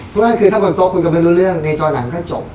เพราะฉะนั้นคือถ้าบนโต๊ะคุณก็ไม่รู้เรื่องในจอนังก็จบ